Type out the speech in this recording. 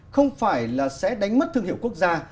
không phải là sẽ đánh mất thương hiệu quốc gia